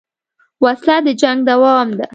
وسله د جنګ دوام ده